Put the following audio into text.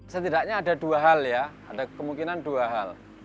setidaknya ada dua hal ya ada kemungkinan dua hal